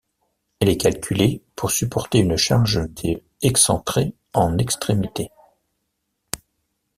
Elle est calculée pour supporter une charge de excentrée en extrémités.